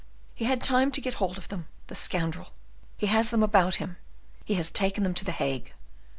He had time to get hold of them, the scoundrel, he has them about him, he has taken them to the Hague!"